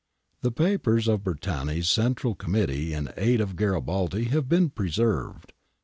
The papers of Bertani's Central Committee in Aid of Garibaldi have been preserved.